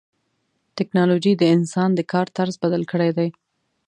ټکنالوجي د انسان د کار طرز بدل کړی دی.